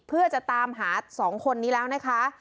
เพื่อจะตามหา๒คนนี้แล้วนะคะ